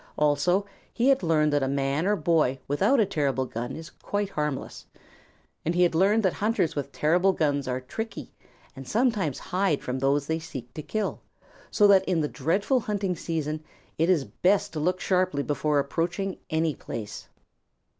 Also he had learned that a man or boy without a terrible gun is quite harmless, and he had learned that hunters with terrible guns are tricky and sometimes hide from those they seek to kill, so that in the dreadful hunting season it is best to look sharply before approaching any place.